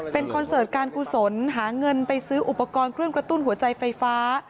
เป็นคอนเสิร์ตการกุศลหาเงินไปซื้ออุปกรณ์เครื่องกระตุ้นหัวใจไฟฟ้า